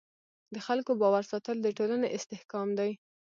د خلکو باور ساتل د ټولنې استحکام دی.